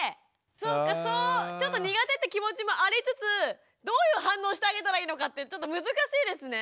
そうかちょっと苦手って気持ちもありつつどういう反応してあげたらいいのかってちょっと難しいですね。